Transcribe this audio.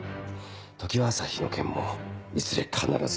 常葉朝陽の件もいずれ必ず。